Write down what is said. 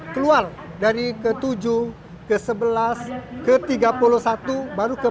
keluar dari ke tujuh ke sebelas ke tiga puluh satu baru ke empat belas